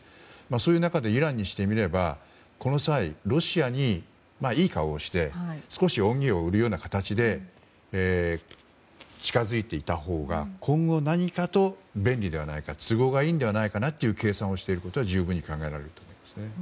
そういう中でイランにしてみればこの際、ロシアにいい顔をして少し恩義を売るような形で近づいていたほうが今後、何かと便利ではないか都合がいいのではないかという計算をしていることは十分に考えられると思います。